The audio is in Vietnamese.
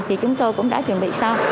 thì chúng tôi cũng đã chuẩn bị xong